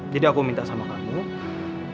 jadi aku minta sama kamu jangan berdekat lo ya